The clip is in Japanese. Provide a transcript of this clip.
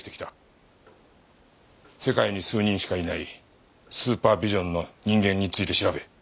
世界に数人しかいないスーパービジョンの人間について調べ